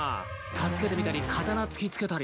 助けてみたり刀突き付けたり。